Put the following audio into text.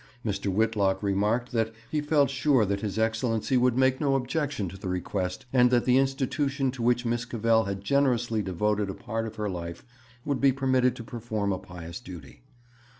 Mr. Whitlock remarked that he felt sure that His Excellency would make no objection to the request, and that the institution to which Miss Cavell had generously devoted a part of her life would be permitted to perform a pious duty.